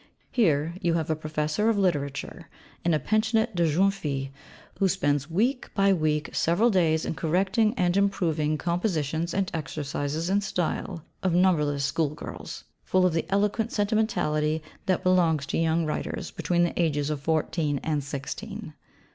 Here you have a Professor of literature in a Pensionnat de Jeunes Filles who spends, week by week, several days in correcting and improving 'compositions' and exercises in 'style' of numberless schoolgirls, full of the eloquent sentimentality that belongs to young writers between the ages of fourteen and sixteen.